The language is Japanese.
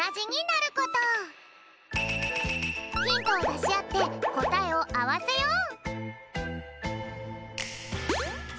ヒントをだしあってこたえをあわせよう！